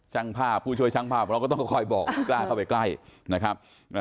ช่างภาพผู้ช่วยช่างภาพเราก็ต้องคอยบอกกล้าเข้าไปใกล้นะครับ